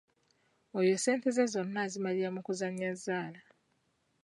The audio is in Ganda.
Oyo ssente ze zonna azimalira mu kuzannya zzaala.